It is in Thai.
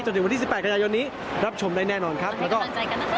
จนถึงวันที่สิบแปดกันยายวันนี้รับชมได้แน่นอนครับแล้วก็มาให้กำลังใจกันนะครับ